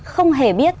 không hề biết